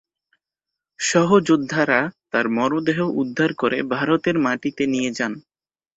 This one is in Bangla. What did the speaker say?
সহযোদ্ধারা তার মরদেহ উদ্ধার করে ভারতের মাটিতে নিয়ে যান।